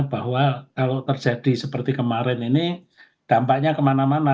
bahwa kalau terjadi seperti kemarin ini dampaknya kemana mana